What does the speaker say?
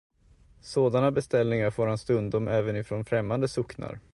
Sådana beställningar får han stundom även ifrån främmande Socknar.